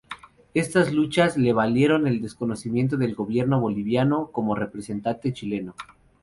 Estas luchas le valieron el desconocimiento del gobierno boliviano como representante chileno.